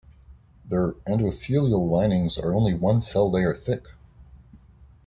Their endothelial linings are only one cell layer thick.